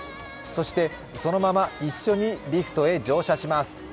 そして、そのまま一緒にリフトへ乗車します。